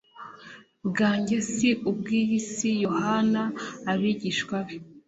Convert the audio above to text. bwanjye si ubw iyi si yohana abigishwa be